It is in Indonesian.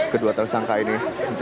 kedua tersangka ini